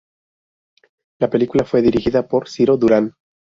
La película fue dirigida por Ciro Durán.